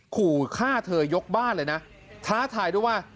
ขู่ฆ่าเธอยกบ้านเลยนะท้าทายด้วยว่า